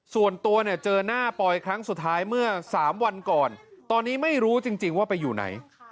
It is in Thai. ส่วนตัวเนี่ยเจอหน้าปอยครั้งสุดท้ายเมื่อ๓วันก่อนตอนนี้ไม่รู้จริงว่าไปอยู่ไหน